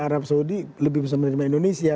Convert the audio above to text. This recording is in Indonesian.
arab saudi lebih bisa menerima indonesia